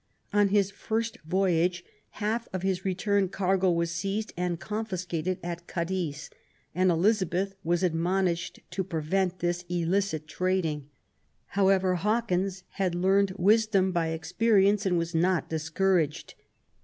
On his first voyage, half of his return cargo was seized and confiscated at Cadiz, and Elizabeth was admonished to prevent, this illicit trading. However, Hawkins had learned wisdom by experience and was not discouraged.